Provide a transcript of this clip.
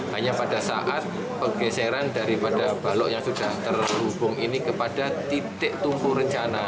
hanya pada saat pergeseran daripada balok yang sudah terhubung ini kepada titik tumpu rencana